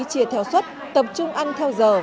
chia theo xuất tập trung ăn theo giờ